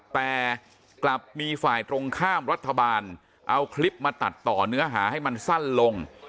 แต่กลับมีฝ่ายตรงข้ามรัฐบาลเอาคลิปมาตัดต่อเนื้อหาให้มันสั้นลง